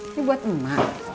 ini buat mak